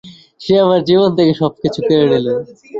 সে আমার জীবন থেকে থেকে সবকিছু কেড়ে নিল।